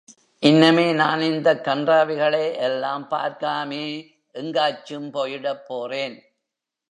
இன்னமே நான் இந்தக் கண்றாவிகளெ எல்லாம் பார்க்காமே எங்கேயாச்சும் போயிடப் போறேன்.